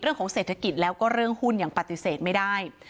เรื่องของเศรษฐกิจแล้วก็เรื่องหุ้นยังปฏิเสธไม่ได้